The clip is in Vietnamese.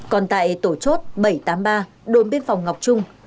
còn tại tổ chốt bảy trăm tám mươi ba đồn biên phòng ngọc trung